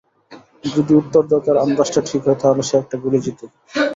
যদি উত্তরদাতার আনন্দাজটা ঠিক হয় তাহলে সে একটা গুলি জেতে।